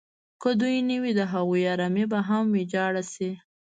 که دوی نه وي د هغوی ارامي به هم ویجاړه شي.